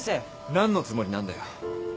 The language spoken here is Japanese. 何のつもりなんだよ。